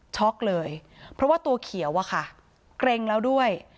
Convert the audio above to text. เลยเพราะว่าตัวเขียวอะค่ะเกร็งแล้วด้วย